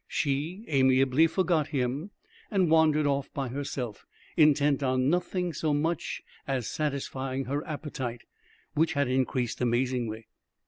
She amiably forgot him and wandered off by herself, intent on nothing so much as satisfying her appetite, which had increased amazingly.